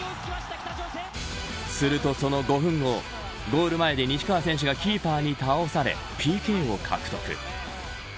すると、その５分後ゴール前で西川選手がキーパーに倒されＰＫを獲得。